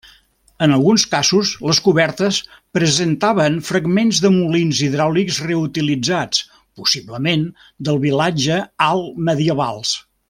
En alguns casos les cobertes presentaven fragments de molins hidràulics reutilitzats possiblement del vilatge altmedievals.